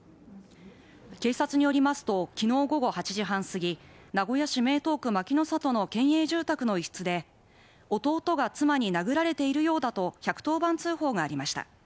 警察によりますと、昨日午後８時半すぎ名古屋市名東区牧の里の県営住宅の一室で弟が妻に殴られているようだと１１０番通報がありました。